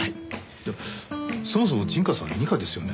いやそもそも陣川さん二課ですよね。